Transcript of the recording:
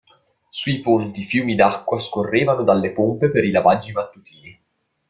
Sui ponti, fiumi d'acqua scorrevano dalle pompe per i lavaggi mattutini.